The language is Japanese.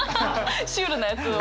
シュールなやつを。